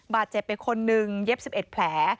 บาดเจ็บไปคนนึงเย็บ๑๑แผล